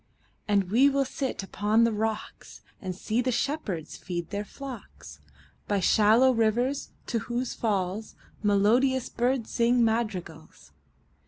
And we will sit upon the rocks, 5 And see the shepherds feed their flocks By shallow rivers, to whose falls Melodious birds sing madrigals.